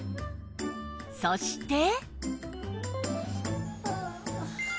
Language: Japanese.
そして